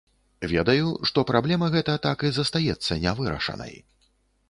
Ведаю, што праблема гэта так і застаецца не вырашанай.